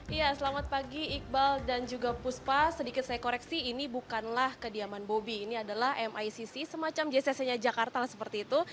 iya selamat pagi iqbal dan juga puspa sedikit saya koreksi ini bukanlah kediaman bobi ini adalah micc semacam jcc nya jakarta lah seperti itu